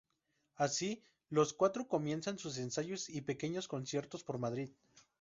Así, los cuatro comienzan sus ensayos y pequeños conciertos por Madrid.